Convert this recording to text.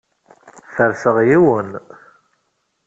Ferseɣ yiwen.